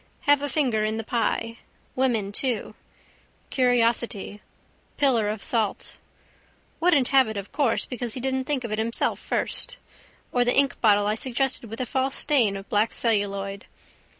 Have a finger in the pie. Women too. Curiosity. Pillar of salt. Wouldn't have it of course because he didn't think of it himself first. Or the inkbottle I suggested with a false stain of black celluloid.